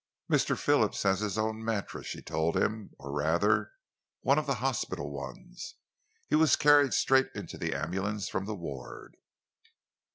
"Mr. Phillips has his own mattress," she told him, "or rather one of the hospital ones. He was carried straight into the ambulance from the ward."